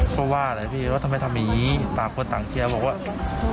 เพราะว่าอะไรพี่ว่าทำไมทำอย่างนี้ต่างคนต่างเชียร์บอกว่า